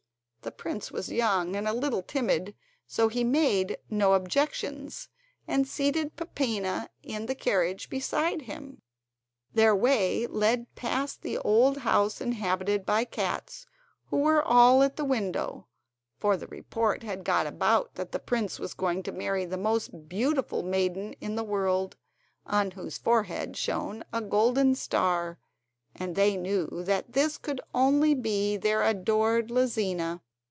The prince was young and a little timid, so he made no objections, and seated Peppina in the carriage beside him. Their way led past the old house inhabited by the cats, who were all at the window, for the report had got about that the prince was going to marry the most beautiful maiden in the world, on whose forehead shone a golden star, and they knew that this could only be their adored Lizina.